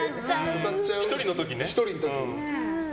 １人の時ね。